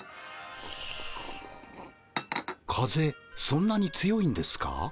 そんなに強いんですか？